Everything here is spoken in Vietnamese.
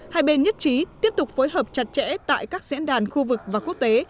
hai bên nhất trí tiếp tục phối hợp chặt chẽ tại các diễn đàn khu vực và quốc tế